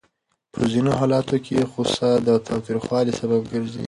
په ځینو حالتونو کې غوسه د تاوتریخوالي سبب ګرځي.